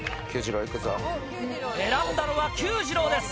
選んだのはＱ次郎です！